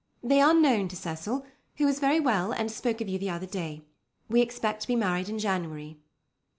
They are known to Cecil, who is very well and spoke of you the other day. We expect to be married in January.